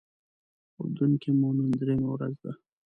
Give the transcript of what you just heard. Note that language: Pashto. اردن کې مو نن درېیمه ورځ ده.